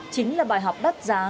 chính là bài học đắt giá